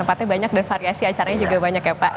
tempat ini banyak dan variasi acara juga banyak ya pak ya